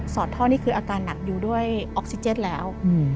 อดท่อนี่คืออาการหนักอยู่ด้วยออกซิเจนแล้ว